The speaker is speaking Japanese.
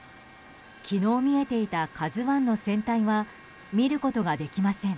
昨日見えていた「ＫＡＺＵ１」の船体は見えることができません。